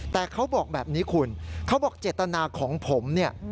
แต่เขาบอกแบบนี้คุณเขาบอกเจตนาของผมเนี่ย